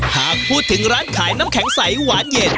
หากพูดถึงร้านขายน้ำแข็งใสหวานเย็น